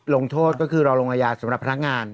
ลงโทษก็คือรอลงอาญาสำหรับพนักงาน